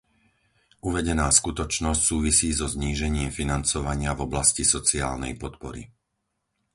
Uvedená skutočnosť súvisí so znížením financovania v oblasti sociálnej podpory.